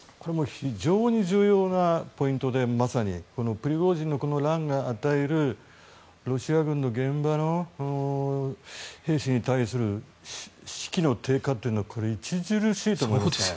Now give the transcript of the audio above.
非常に重要なポイントでまさにプリゴジンの乱が与えるロシア軍の現場の兵士に対する士気の低下というのは著しいと思います。